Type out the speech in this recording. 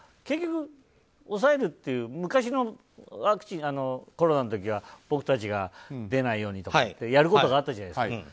結局、抑えるっていう昔のコロナの時は僕たちが出ないようにとかやることがあったじゃないですか。